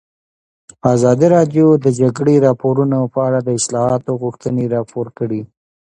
ازادي راډیو د د جګړې راپورونه په اړه د اصلاحاتو غوښتنې راپور کړې.